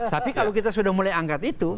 tapi kalau kita sudah mulai angkat itu